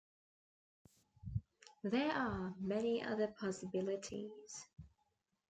There are many other possibilities.